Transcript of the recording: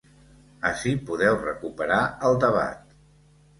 Ací podeu recuperar el debat.